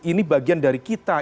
ini bagian dari kita